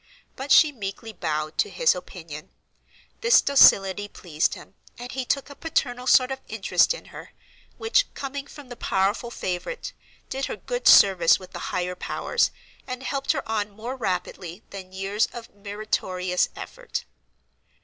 But she meekly bowed to his opinion; this docility pleased him, and he took a paternal sort of interest in her, which, coming from the powerful favorite, did her good service with the higher powers, and helped her on more rapidly than years of meritorious effort.